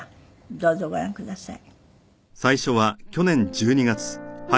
どうぞご覧ください。